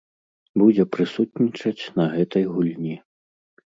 Будзе прысутнічаць на гэтай гульні.